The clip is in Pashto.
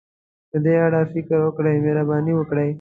په دې اړه فکر وکړئ، مهرباني وکړئ.